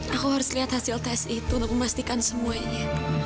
aku harus lihat hasil tes itu untuk memastikan semuanya